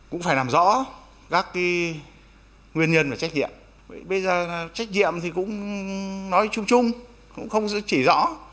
cũng phải làm rõ các nguyên nhân và trách nhiệm bây giờ trách nhiệm thì cũng nói chung chung cũng không chỉ rõ